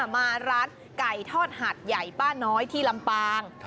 มาร้านไก่ทอดหาดใหญ่ป้าน้อยที่ลำปาง